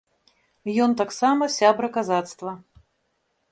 Ён таксама сябра казацтва.